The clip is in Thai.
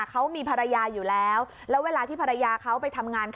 เขามีภรรยาอยู่แล้วแล้วเวลาที่ภรรยาเขาไปทำงาน